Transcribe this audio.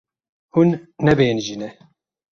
Hûn nebêhnijîne.